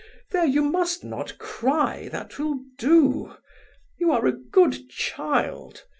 There, you must not cry, that will do. You are a good child!